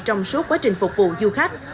trong suốt quá trình phục vụ du khách